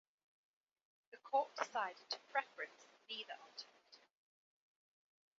The Court decided to preference neither alternative.